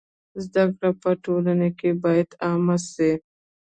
زده کړه په ټولنه کي بايد عامه سي.